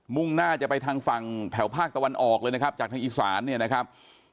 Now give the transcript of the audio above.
่งหน้าจะไปทางฝั่งแถวภาคตะวันออกเลยนะครับจากทางอีสานเนี่ยนะครับ